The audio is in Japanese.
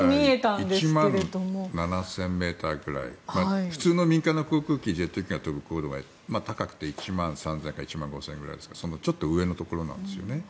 １万７０００ｍくらい普通の民間のジェット機が飛ぶ高度が高くて１万３０００か１万５０００ぐらいですからそのちょっと上ぐらいなんです。